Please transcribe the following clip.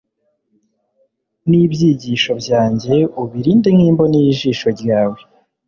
Nibyigisho byanjye ubirinde nkimboni yijisho ryawe